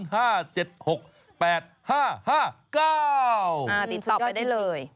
ติดต่อไปได้เลย